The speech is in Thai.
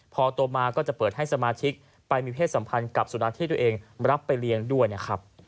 พอโตมาก็จะเปิดให้สมาชิกไปมีเพศสัมพันธ์กับสุนัขที่ตัวเองรับไปเลี้ยงด้วยนะครับ